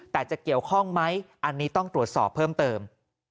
แต่จะเกี่ยวข้องไหมอันนี้ต้องตรวจสอบเพิ่มเติม